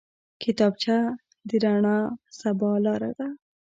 کتابچه د راڼه سبا لاره ده